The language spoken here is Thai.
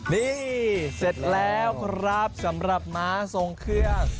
นี่เสร็จแล้วครับสำหรับม้าทรงเครื่อง